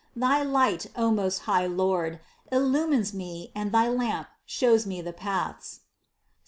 Thy light, O most high Lord, illumines me and thy lamp shows me the paths (Ps.